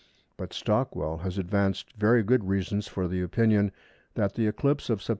But Stockwell has advanced very good reasons for the opinion that the eclipse of Sept.